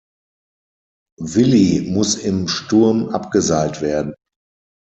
Willy muss im Sturm abgeseilt werden.